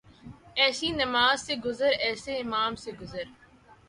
ایسی نماز سے گزر ایسے امام سے گزر